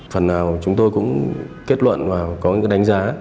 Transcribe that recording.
phần nào chúng tôi cũng kết luận và có những đánh giá